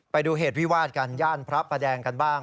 ไปดูเหตุวิวาดกันย่านพระประแดงกันบ้าง